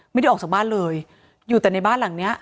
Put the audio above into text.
ไม่ได้ออกจากบ้านเลยอยู่แต่ในบ้านหลังเนี้ย